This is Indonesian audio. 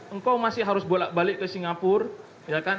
engkau masih harus balik ke singapura